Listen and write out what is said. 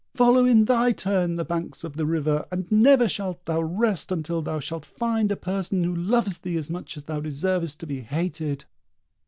"Follow in thy turn the banks of the river, and never shalt thou rest until thou shalt find a person who loves thee as much as thou deservest to be hated!"